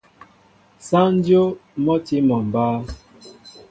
Sááŋ dyów a tí mol mba.